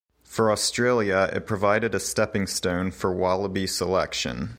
For Australia, it provided a stepping stone for Wallaby selection.